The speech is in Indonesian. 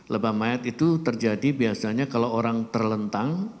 lebah mayat itu terjadi biasanya kalau orang terlentang